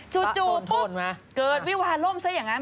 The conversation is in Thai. จู่ปุ๊บเกิดวิวาล่มซะอย่างนั้น